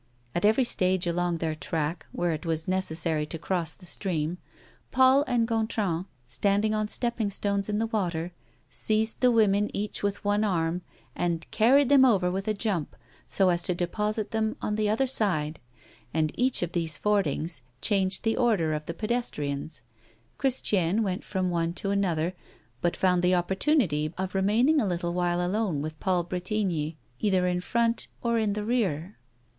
At every stage along their track, where it was necessary to cross the stream, Paul and Gontran, standing on stepping stones in the water, seized the women each with one arm, and carried them over with a jump, so as to deposit them at the opposite side. And each of these fordings changed the order of the pedestrians. Christiane went from one to another, but found the opportunity of remaining a little while alone with Paul Bretigny either in front or in the rear.